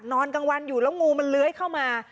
นอนกลางวันอยู่แล้วงูมันเลื้อยเข้ามา